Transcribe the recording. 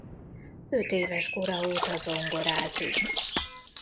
Ötéves kora óta zongorázik.